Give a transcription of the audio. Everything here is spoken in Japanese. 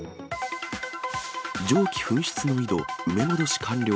蒸気噴出の井戸、埋め戻し完了。